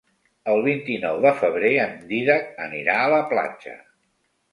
El vint-i-nou de febrer en Dídac anirà a la platja.